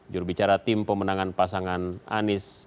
jurubicara tim pemenangan pasangan anies